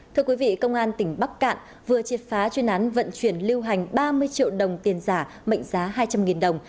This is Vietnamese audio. thưa quý vị công an tỉnh bắc cạn vừa triệt phá chuyên án vận chuyển lưu hành ba mươi triệu đồng tiền giả mệnh giá hai trăm linh đồng